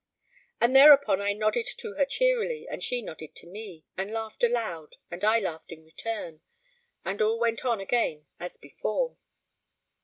And thereupon I nodded to her cheerily, and she nodded to me, and laughed aloud, and I laughed in return, and all went on again as before.